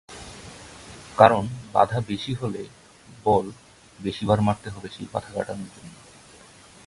কারণ বাধা বেশি হলে বল বেশিবার মারতে হবে সেই বাধা কাটানোর জন্য।